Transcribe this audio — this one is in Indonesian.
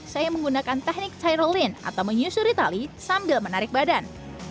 saya menggunakan teknik styrolin atau menyusuri tali sambil menarik badan